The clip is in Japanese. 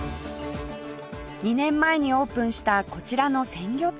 ２年前にオープンしたこちらの鮮魚店